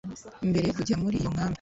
Mbere yo kujya muri iyo nkambi